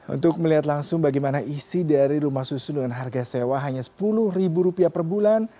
untuk melihat langsung bagaimana isi dari rumah susu dengan harga sewa hanya sepuluh ribu rupiah per bulan